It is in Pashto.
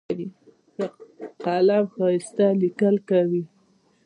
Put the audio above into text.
ښه قلم ښایسته لیکل کوي.